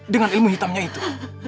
dengan ilmu hitamnya itu